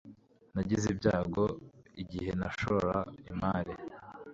Nagize ibyago igihe nashora imari.